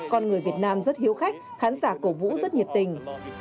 còn người việt nam rất hiếu khách khán giả cổ vũ rất nhiệt tình